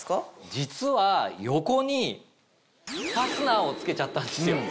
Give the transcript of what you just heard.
実は横にファスナーを付けちゃったんですよ。